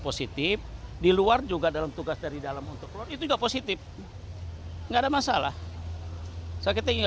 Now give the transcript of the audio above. positif di luar juga dalam tugas dari dalam untuk keluar itu juga positif enggak ada masalah sakit